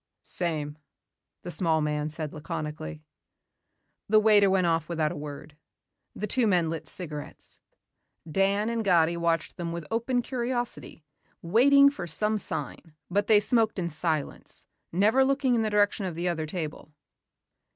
"Same," the small man said laconically. The waiter went off without a word. The two men lit cigarettes. Dan and Gatti watched them with open curiosity, waiting for some sign but they smoked in silence, never looking in the direction of the other table.